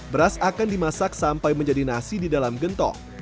beras akan dimasak sampai menjadi nasi di dalam gentong